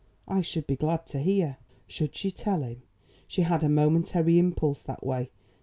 I should be glad to hear." Should she tell him? She had a momentary impulse that way.